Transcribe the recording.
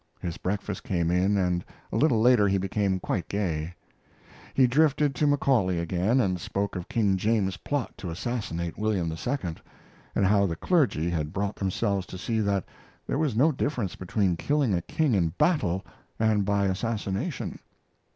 His breakfast came in, and a little later he became quite gay. He drifted to Macaulay again, and spoke of King James's plot to assassinate William II., and how the clergy had brought themselves to see that there was no difference between killing a king in battle and by assassination.